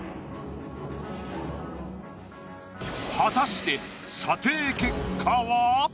果たして査定結果は？